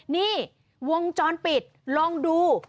นี่วงจรปิดลองดู